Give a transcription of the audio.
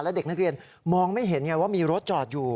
และเด็กนักเรียนมองไม่เห็นไงว่ามีรถจอดอยู่